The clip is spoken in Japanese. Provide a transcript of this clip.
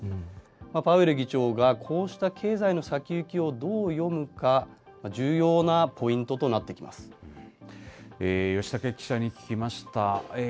パウエル議長がこうした経済の先行きをどう読むか、重要なポイン吉武記者に聞きました。